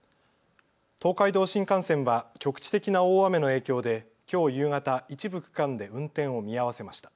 東海道新幹線は局地的な大雨の影響できょう夕方、一部区間で運転を見合わせました。